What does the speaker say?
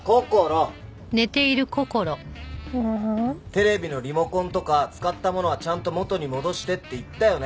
テレビのリモコンとか使ったものはちゃんと元に戻してって言ったよね？